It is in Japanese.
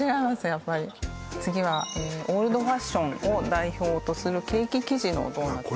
やっぱり次はオールドファッションを代表とするケーキ生地のドーナツですね